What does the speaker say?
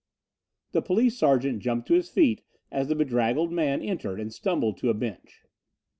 The police sergeant jumped to his feet as the bedraggled man entered and stumbled to a bench.